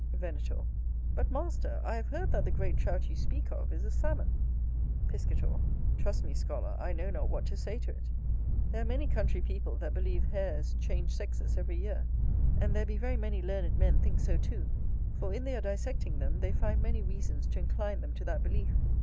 Venator. But, master, I have heard that the great Trout you speak of is a Salmon. Piscator. Trust me, scholar, I know not what to say to it. There are many country people that believe hares change sexes every year: and there be very many learned men think so too, for in their dissecting them they find many reasons to incline them to that belief.